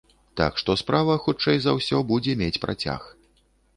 Так што справа, хутчэй за ўсё, будзе мець працяг.